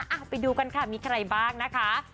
เอาไปดูกันค่ะมีใครบ้างนะคะ